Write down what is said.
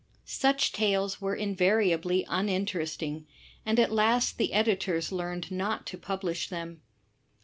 Such tales were invariably iminterest ing, and at last the editors learned not to publish them.